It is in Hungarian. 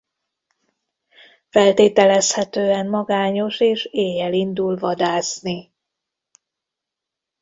Feltételezhetően magányos és éjjel indul vadászni.